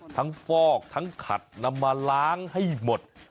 ฟอกทั้งขัดนำมาล้างให้หมด